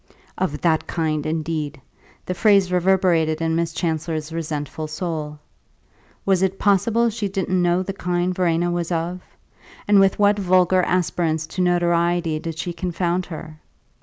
Of "that kind" indeed! the phrase reverberated in Miss Chancellor's resentful soul. Was it possible she didn't know the kind Verena was of, and with what vulgar aspirants to notoriety did she confound her?